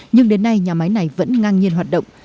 nhưng đến nay nhà máy này vẫn ngang nhiên hoạt động